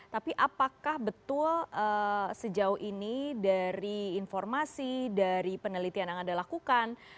tapi apakah betul sejauh ini dari informasi dari penelitian yang anda lakukan